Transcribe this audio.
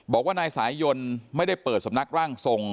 บอกว่านายสายยนต์ไม่ได้เปิดสำนักร่างทรง